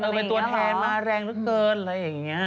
เออไปตัวแทนมาแรงเท่าเกินอะไรอย่างนี้